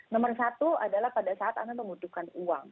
nomor satu adalah pada saat anda membutuhkan uang